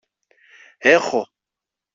Έχω!